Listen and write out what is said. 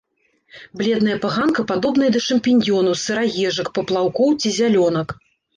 Бледная паганка падобная да шампіньёнаў, сыраежак, паплаўкоў ці зялёнак.